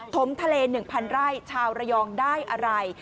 มทะเล๑๐๐ไร่ชาวระยองได้อะไร